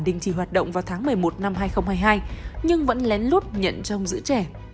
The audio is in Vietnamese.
đình chỉ hoạt động vào tháng một mươi một năm hai nghìn hai mươi hai nhưng vẫn lén lút nhận trong giữ trẻ